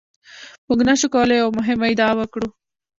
موږ نشو کولای یوه مهمه ادعا وکړو.